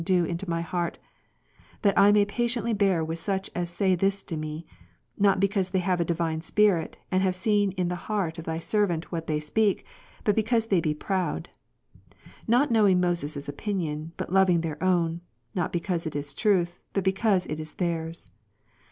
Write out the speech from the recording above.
dewJntQ my heart, that I may patiently bear with such as say this to me, not because they have a divine Spirit, and have seen in the heart of Thy servant what they speak, but because they be proud; not knowing Moses' opinion, bvit loving their own, not because it is truth, but because it is theirs ^.